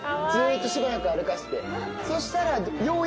そしたら。